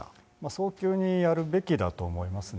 早急にやるべきだと思いますね。